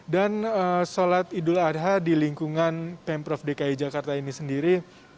dan sholat idul adha di lingkungan pemprov dki jakarta ini sendiri